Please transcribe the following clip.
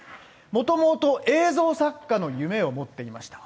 もともと映像作家の夢を持っていました。